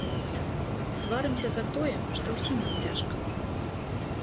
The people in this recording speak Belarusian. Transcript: Сварымся затое, што ўсім нам цяжка.